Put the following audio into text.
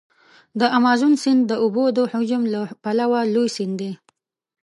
د امازون سیند د اوبو د حجم له پلوه لوی سیند دی.